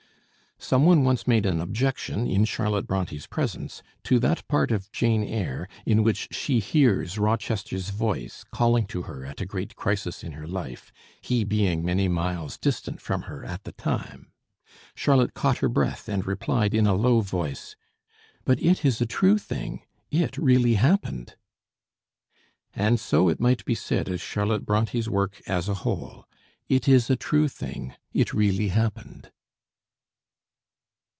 Some one once made an objection in Charlotte Bronté's presence to that part of 'Jane Eyre' in which she hears Rochester's voice calling to her at a great crisis in her life, he being many miles distant from her at the time. Charlotte caught her breath and replied in a low voice: "But it is a true thing; it really happened." And so it might be said of Charlotte Bronté's work as a whole: "It is a true thing; it really happened."